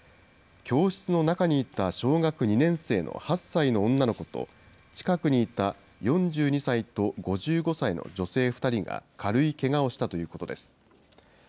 教室の中にいた小学２年生の８歳の女の子と、近くにいた４２歳と５５歳の女性２人が軽いけがをしたということです。